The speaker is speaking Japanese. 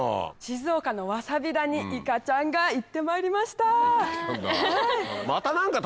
静岡のわさび田にいかちゃんが行ってまいりました！行って来たんだ。